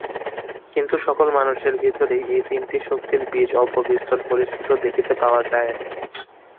কিন্তু সকল মানুষের ভিতরেই এই তিনটি শক্তির বীজ অল্পবিস্তর পরিস্ফুট দেখিতে পাওয়া যায়।